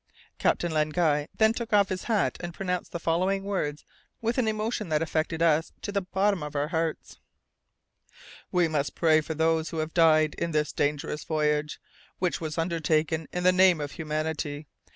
Captain Len Guy then took off his hat and pronounced the following words with an emotion that affected us to the bottom of our hearts: "We must pray for those who have died in this dangerous voyage, which was undertaken in the name of humanity.